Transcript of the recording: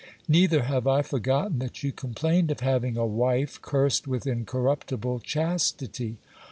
Neither have I forgotten that you complained of having a wife cursed with incorruptible chastity.